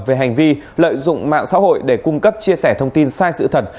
về hành vi lợi dụng mạng xã hội để cung cấp chia sẻ thông tin sai sự thật